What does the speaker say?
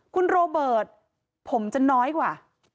คุณโรเบิร์ตผมจะน้อยกว่า